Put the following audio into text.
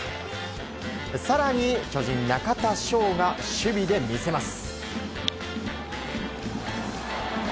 更に、巨人の中田翔が守備で見せます。